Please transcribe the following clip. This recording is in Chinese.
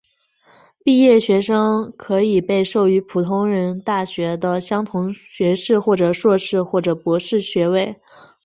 毕业学生可以被授予与普通大学相同的学士或硕士或博士学位。